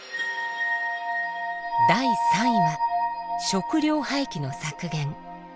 第３位は「食料廃棄の削減」。